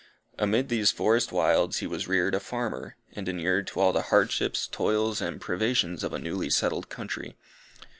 Amid these forest wilds he was reared a farmer, and inured to all the hardships, toils, and privations of a newly settled country.